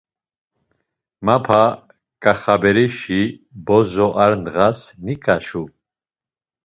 Mapa Ǩaxaberişi bozo ar ndğas nikaçu.